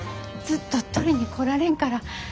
ずっと取りに来られんから。